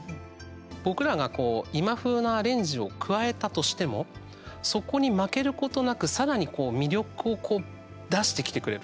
僕らが今風のアレンジを加えたとしてもそこに負けることなくさらに魅力を出してきてくれる。